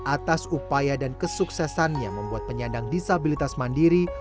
atas upaya dan kesuksesannya membuat penyandang disabilitas mandiri